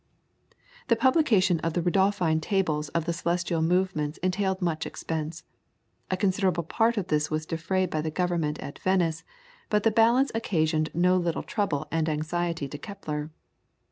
The publication of the Rudolphine tables of the celestial movements entailed much expense. A considerable part of this was defrayed by the Government at Venice but the balance occasioned no little trouble and anxiety to Kepler.